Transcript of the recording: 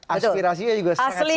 aspirasinya juga sangat sahih